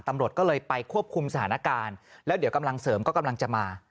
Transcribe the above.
ตำรวจก็เลยไปควบคุมสถานการณ์แล้วเดี๋ยวกำลังเสริมก็กำลังจะมา